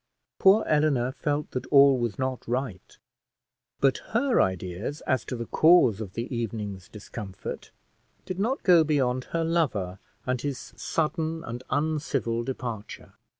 Poor Eleanor felt that all was not right, but her ideas as to the cause of the evening's discomfort did not go beyond her lover, and his sudden and uncivil departure.